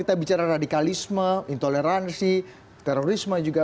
kita bicara radikalisme intoleransi terorisme juga